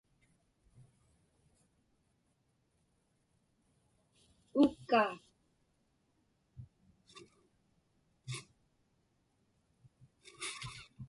Uukkaa.